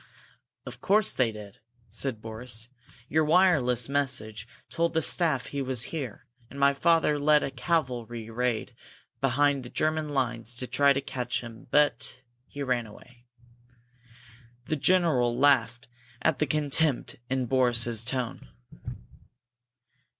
"Of course they did!" said Boris. "Your wireless message told the staff he was here, and my father led a cavalry raid behind the German lines to try to catch him. But he ran away!" The general laughed at the contempt in Boris's tone.